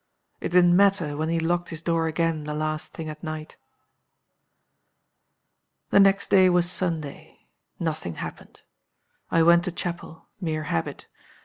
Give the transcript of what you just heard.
It didn't matter when he locked his door again the last thing at night. "The next day was Sunday. Nothing happened. I went to chapel. Mere habit.